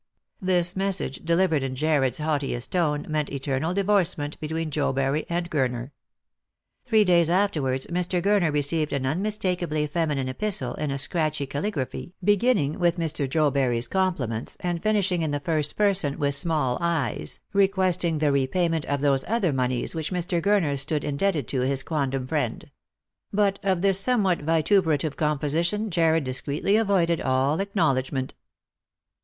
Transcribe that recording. This message, delivered in Jarred's haughtiest tone, meant eternal divorcement between Jobury and Gurner. Three daya 348 Lost for Love. afterwards Mr. Gurner received an unmistakably feminine epistle, in a scratchy caligraphy, beginning with Mr. Jobury s compliments, and finishing in the first person with small i'a, requesting the repayment of those other moneys which Mr. Gurner stood indebted to his quondam friend. But of this somewhat vituperative composition Jarred discreetly avoided all acknowledgment.